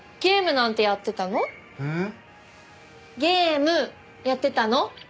ゲームやってたの？